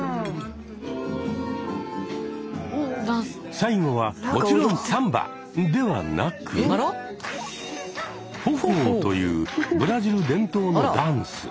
最後はもちろんサンバではなく「フォホー」というブラジル伝統のダンス。